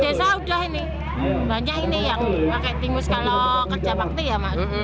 di desa sudah ini banyak ini yang pakai timus kalau kerja pakti ya maksudnya